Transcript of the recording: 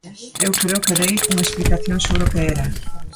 Eu creo que dei unha explicación sobre o que era.